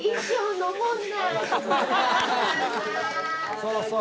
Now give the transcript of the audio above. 「そうそう。